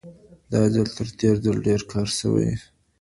دا ځل تر تېر ځل ډېر کار سوی.